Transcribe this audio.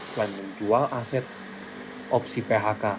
selain menjual aset opsi phk